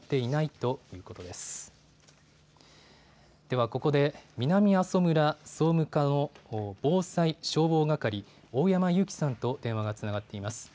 ではここで南阿蘇村総務課の防災消防係、大山雄基さんと電話がつながっています。